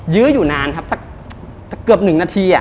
ื้ออยู่นานครับสักเกือบ๑นาที